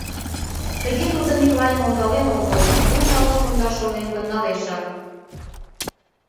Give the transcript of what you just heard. Тыге тудо Миклайым ондален огыл, мом налын кондаш ойлен гын, налешак.